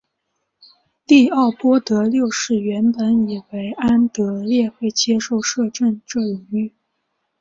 利奥波德六世原本以为安德烈会接受摄政这荣誉。